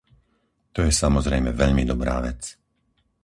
To je samozrejme veľmi dobrá vec.